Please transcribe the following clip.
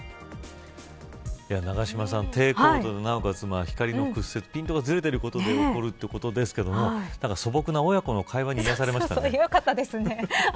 永島さん、低高度でなおかつ光の屈折ピントがずれていることで起こるということですが素朴な親子の会話に癒されましたね。